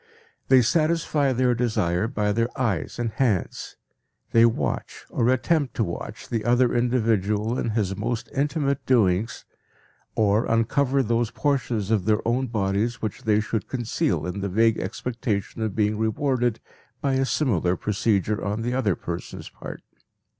They satisfy their desire by their eyes and hands. They watch or attempt to watch the other individual in his most intimate doings, or uncover those portions of their own bodies which they should conceal in the vague expectation of being rewarded by a similar procedure on the other person's part.